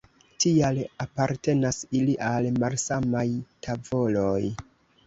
Tial apartenas ili al malsamaj tavoloj.